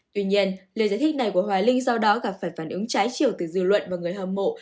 tuy nhiên lời giải thích này của hoài linh do đó gặp phải phản ứng trái chiều từ dư luận và người hâm mộ